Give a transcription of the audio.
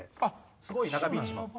すごい長引いてしまう。